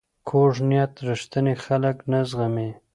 کوږ نیت رښتیني خلک نه زغمي